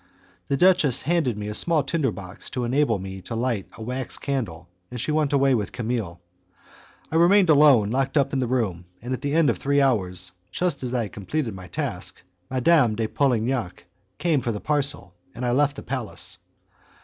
The duchess handed me a small tinder box to enable me to light a wax candle, and she went away with Camille. I remained alone locked up in the room, and at the end of three hours, just as I had completed my task, Madame de Polignac came for the parcel and I left the palace.